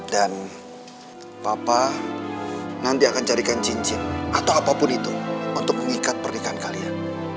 dan papa nanti akan carikan cincin atau apapun itu untuk mengikat pernikahan kalian